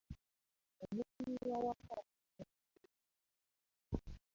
Omukuumi w'awaka yafudde lubyamira.